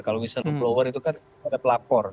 kalau whistleblower itu kan pada pelapor